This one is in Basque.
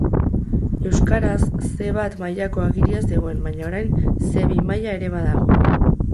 Euskaraz C bat mailako agiria zegoen baina orain C bi maila ere badago.